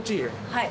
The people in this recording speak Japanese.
はい。